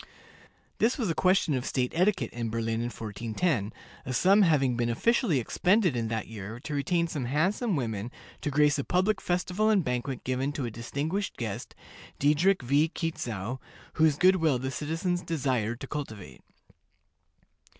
This was a question of state etiquette in Berlin in 1410, a sum having been officially expended in that year to retain some handsome women to grace a public festival and banquet given to a distinguished guest, Diedrich V. Quitzow, whose good will the citizens desired to cultivate.